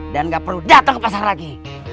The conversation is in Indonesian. dan gak perlu dateng ke pasar lagi